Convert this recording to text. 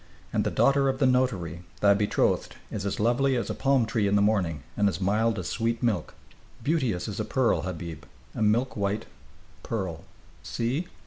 And the daughter of the notary, thy betrothed, is as lovely as a palm tree in the morning and as mild as sweet milk, beauteous as a pearl, Habib, a milk white pearl. See!"